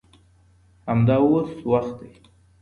همدا اوس وخت دی.